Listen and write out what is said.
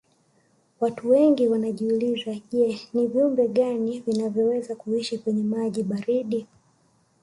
Watu wengi wanajiuliza je ni viumbe gani vinavyoweza kuishi kwenye maji baridi